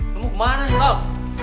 lo mau kemana sal